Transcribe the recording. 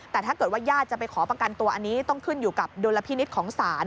แต่ถ้าเกิดว่าญาติจะไปขอประกันตัวอันนี้ต้องขึ้นอยู่กับดุลพินิษฐ์ของศาล